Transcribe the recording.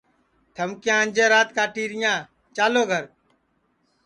تھم کیا انجے رات کاٹیریاں چالو گھر